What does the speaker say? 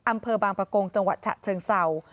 อำเภอบางประกงจังหวัดฉะเชิงเศร้า